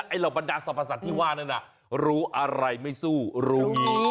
แล้วไอ้เหล่าบรรดาสอบศัตริย์ที่ว่านั้นรู้อะไรไม่สู้รู้งี้